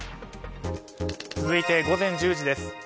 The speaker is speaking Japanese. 続いて午前１０時です。